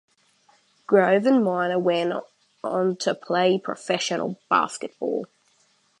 Grove and Minor went on to play professional basketball.